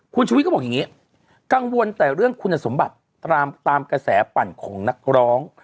คุณชุวิตก็บอกอย่างนี้กังวลแต่เรื่องคุณสมบัติตามกระแสปั่นของนักร้อง